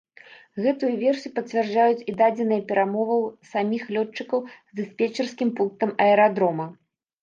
Гэтую версію пацвярджаюць і дадзеныя перамоваў саміх лётчыкаў з дыспетчарскім пунктам аэрадрома.